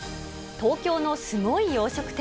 東京のスゴい洋食店。